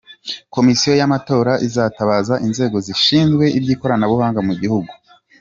Komisiyo y’Amatora izitabaza inzego zishinzwe iby’ikoranabuhanga mu gihugu.